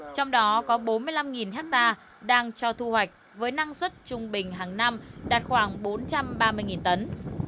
trong đó có bốn mươi năm hectare đang cho thu hoạch với năng suất trung bình hàng năm đạt khoảng bốn trăm ba mươi tấn